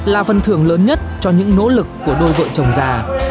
là phần thưởng lớn nhất cho những nỗ lực của đôi vợ chồng già